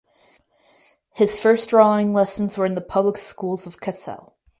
His first drawing lessons were in the public schools of Kassel.